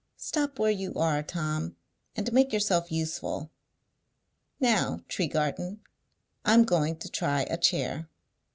Stop where you are, Tom, and make yourself useful. Now, Tregarthen, I'm going to try a chair."